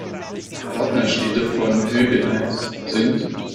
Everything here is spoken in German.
Partnerstädte von Höganäs sind